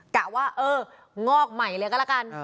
กะว่าเอองอกใหม่เลยก็แล้วกัน